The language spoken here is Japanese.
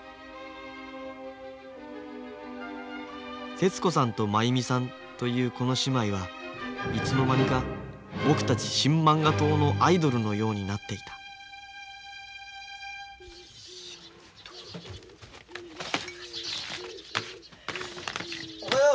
節子さんと真弓さんというこの姉妹はいつの間にか僕たち新漫画党のアイドルのようになっていたおはよう。